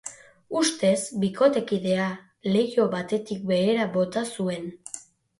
Ustez, bikotekidea leiho batetik behera bota zuen.